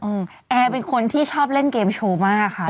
แอร์เป็นคนที่ชอบเล่นเกมโชว์มากค่ะ